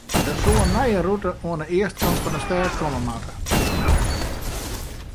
Der soe in nije rûte oan de eastkant fan de stêd komme moatte.